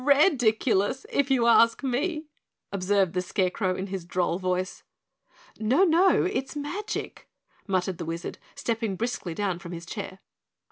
"Red iculous, if you ask me," observed the Scarecrow in his droll voice. "No, no, it's MAGIC!" muttered the Wizard, stepping briskly down from his chair.